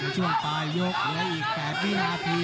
ช่วงปลายยกและอีก๘วินาที